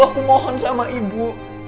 aku mohon sama ibu